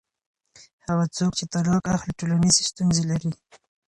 هغه څوک چې طلاق اخلي ټولنیزې ستونزې لري.